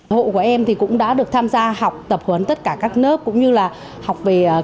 hộ của em cũng đã được tham gia học tập huấn tất cả các nước